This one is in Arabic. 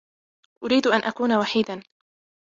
أريدُ أن أكونَ وحيداً!